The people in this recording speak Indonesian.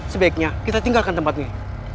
sebaiknya kita tinggalkan tempat ini